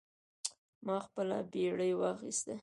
ما خپله بیړۍ واخیسته.